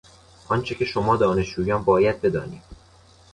آنچه که شما دانشجویان باید بدانید